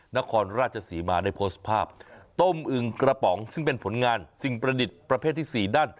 นครราชศรีมาได้โพสต์ภาพต้มอึงกระป๋องซึ่งเป็นผลงานสิ่งประดิษฐ์ประเภทที่๔ด้าน